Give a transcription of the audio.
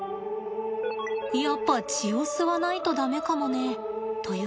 やっぱ血を吸わないと駄目かもね。という